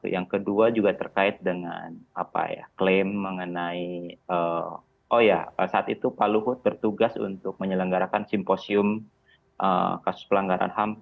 yang kedua juga terkait dengan apa ya klaim mengenai oh ya saat itu pak luhut bertugas untuk menyelenggarakan simposium kasus pelanggaran ham